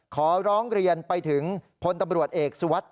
ขอร้องเรียนไปถึงพลตำรวจเอกสุวัสดิ